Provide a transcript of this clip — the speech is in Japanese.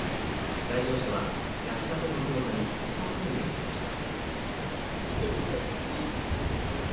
来場者は焼きたての餃子に舌鼓を打ちました。